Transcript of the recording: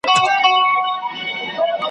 ډک له اوره مي لړمون دی نازوه مي ,